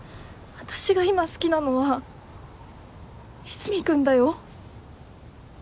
私が今好きなのは和泉君だよ